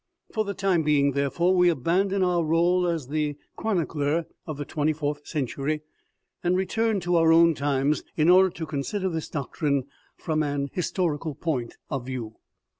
For the time being, therefore, we abandon our role as the chronicler of the twenty fourth century, and return to our own times, in order to consider this doctrine from an historical point of view.